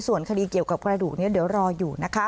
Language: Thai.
ส่วนคดีเกี่ยวกับกระดูกนี้เดี๋ยวรออยู่นะคะ